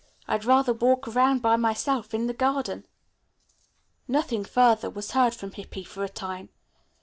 I'd rather walk around by myself in the garden." Nothing further was heard from Hippy for a time.